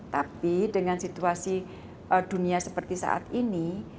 tapi dengan situasi dunia seperti saat ini